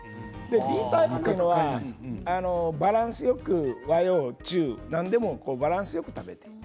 Ｂタイプはバランスよく和洋中、何でもバランスよく食べている。